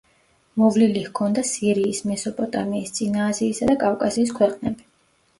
მოვლილი ჰქონდა სირიის, მესოპოტამიის, წინა აზიისა და კავკასიის ქვეყნები.